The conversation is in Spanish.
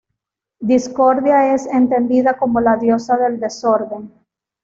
Discordia es entendida como la diosa del desorden.